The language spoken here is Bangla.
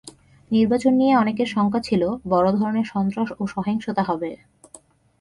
নির্বাচন নিয়ে অনেকের শঙ্কা ছিল বড় ধরনের সন্ত্রাস ও সহিংসতা হবে।